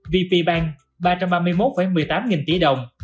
vp bank ba trăm ba mươi một một mươi tám nghìn tỷ đồng